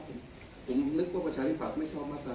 คุณท่านหวังว่าประชาธิบัติไม่ชอบมาตรา๔๔